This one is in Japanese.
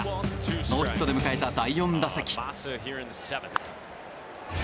ノーヒットで迎えた第４打席。